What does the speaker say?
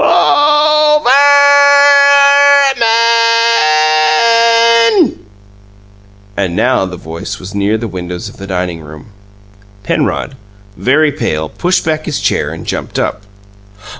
"OO O O O OH, VER ER ER MA A A AN!" And now the voice was near the windows of the dining room. Penrod, very pale, pushed back his chair and jumped up.